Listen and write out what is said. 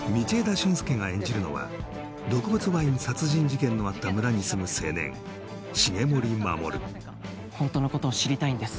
駿佑が演じるのは毒物ワイン殺人事件のあった村に住む青年重盛守ホントのことを知りたいんです